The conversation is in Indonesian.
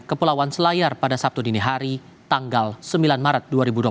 kepulauan selayar pada sabtu dini hari tanggal sembilan maret dua ribu dua puluh